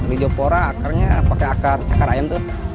rijopora akarnya pakai akar cakar ayam tuh